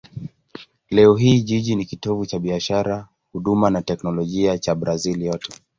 Leo hii jiji ni kitovu cha biashara, huduma na teknolojia cha Brazil yote.